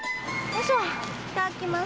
いただきます。